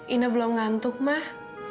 ina belum ngantuk mah